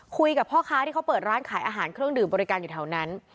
คุยกับพ่อค้าที่เขาเปิดร้านขายอาหารเครื่องดื่มบริการอยู่แถวนั้น